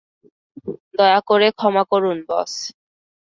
দয়া করে ক্ষমা করুন, বস!